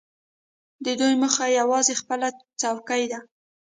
د دوی موخه یوازې خپله څوکۍ ده.